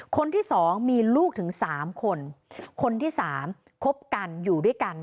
คนที่สองมีลูกถึงสามคนคนที่สามคบกันอยู่ด้วยกัน